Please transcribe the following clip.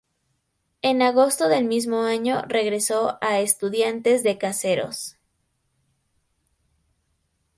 En agosto del mismo año regresó a Estudiantes de Caseros.